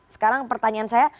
sekarang pertanyaan saya